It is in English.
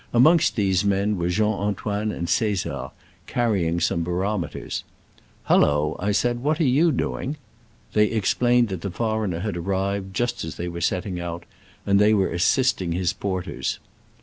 Amongst these men were Jean Antoine and Caesar, carrying some barometers. *' Hullo !'* I said, "what are you doing?" They ex plained that the foreigner had arrived just as they were setting out, and that they were assisting his porters.